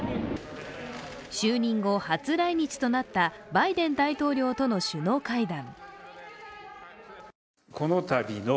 就任後初来日となったバイデン大統領との首脳会談。